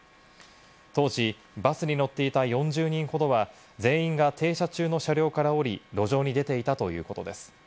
当時、バスに乗っていた４０人ほどは全員が停車中の車両から降り、路上に出ていたということです。